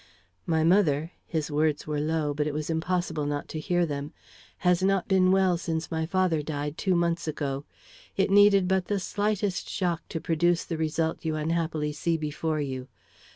"My mother" his words were low, but it was impossible not to hear them "has not been well since my father died, two months ago. It needed but the slightest shock to produce the result you unhappily see before you.